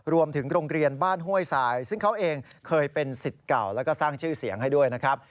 โรงเรียนบ้านห้วยทรายซึ่งเขาเองเคยเป็นสิทธิ์เก่าแล้วก็สร้างชื่อเสียงให้ด้วยนะครับ